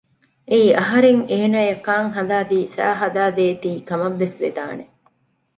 އެއީ އަހަރެން އޭނާއަށް ކާން ހަދައިދީ ސައި ހަދައި ދޭތީ ކަމަށްވެސް ވެދާނެ